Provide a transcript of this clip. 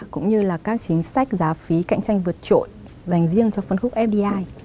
cũng như là các chính sách giá phí cạnh tranh vượt trội dành riêng cho phân khúc fdi